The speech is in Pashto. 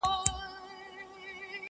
د کور هر غړی مات او بې وسه ښکاري,